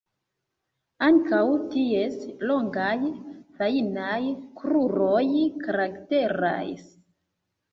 Ankaŭ ties longaj fajnaj kruroj karakteras.